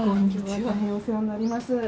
今日は大変お世話になります。